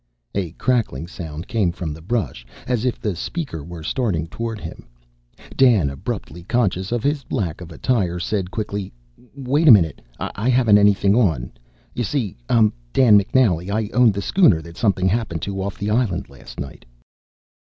A crackling sound came from the brush, as if the speaker were starting toward him. Dan, abruptly conscious of his lack of attire, said quickly, "Wait a minute! I haven't anything on, you see. I'm Dan McNally. I owned the schooner that something happened to off the island last night."